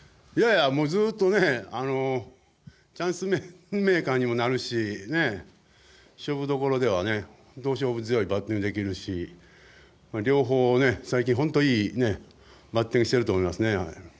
ずっとねチャンスメーカーにもなるし勝負どころでは勝負強いバッティングできるし両方ね、最近本当にいいバッティングしてると思いますね。